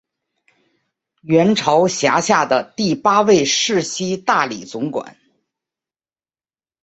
元朝辖下的第八位世袭大理总管。